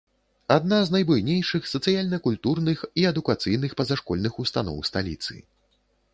Адна з найбуйнейшых сацыяльна-культурных і адукацыйных пазашкольных устаноў сталіцы.